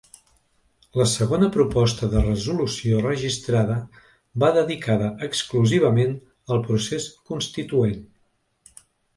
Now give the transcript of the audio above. La segona proposta de resolució registrada va dedicada exclusivament al procés constituent.